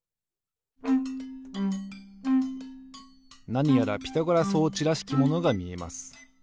なにやらピタゴラ装置らしきものがみえます。